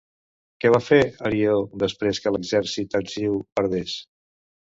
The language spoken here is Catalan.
Què va fer Arió després que l'exèrcit argiu perdés?